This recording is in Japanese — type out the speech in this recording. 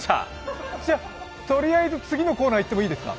とりあえず、次のコーナー行ってもいいですか？